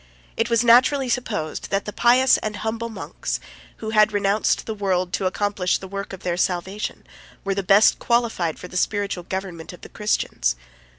It was naturally supposed, that the pious and humble monks, who had renounced the world to accomplish the work of their salvation, were the best qualified for the spiritual government of the Christians.